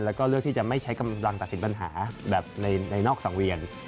แล้วก็เลือกที่จะไม่ใช้กำลังตัดสินปัญหาแบบในนอกสังเวียน